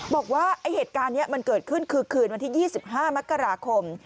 บอกว่าเหตุการณ์นี้มันเกิดขึ้นคือคืนวันที่๒๕มกราคม